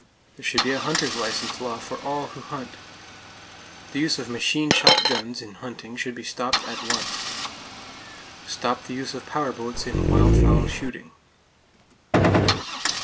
There should be a hunter's license law for all who hunt. The use of machine shotguns in hunting should be stopped, at once. Stop the use of power boats in wild fowl shooting.